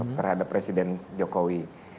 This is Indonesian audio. terhadap presiden jokowi